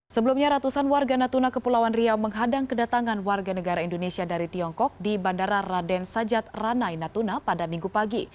sebelumnya ratusan warga natuna kepulauan riau menghadang kedatangan warga negara indonesia dari tiongkok di bandara raden sajat ranai natuna pada minggu pagi